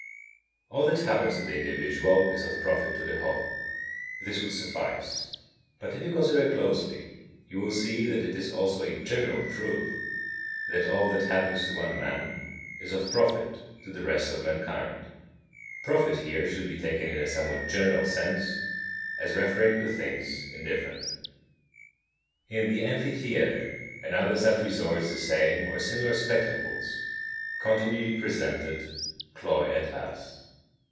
45. All that happens to the individual is of profit to the whole. This would suffice. But if you consider closely you will see that it is also a general truth that all that happens to one man is of profit to the rest of mankind. "Profit" here should be taken in a somewhat general sense, as referring to things indifferent. 46. In the amphitheatre and other such resorts the same or similar spectacles, continually presented, cloy at last.